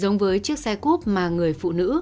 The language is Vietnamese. giống với chiếc xe cúp mà người phụ nữ